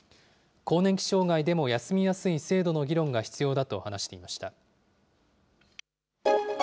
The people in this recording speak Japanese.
更年期障害でも休みやすい制度の議論が必要だと話していました。